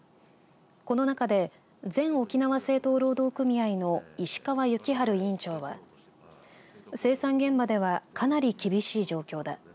この中で全沖縄製糖労働組合の石川幸治委員長は生産現場ではかなり厳しい状況だ。